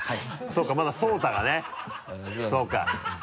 そうかまだソウタがねそうか。